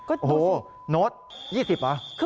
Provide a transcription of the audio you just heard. โอ้โหโน้ต๒๐เหรอ